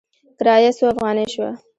کرایه څو افغانې شوه؟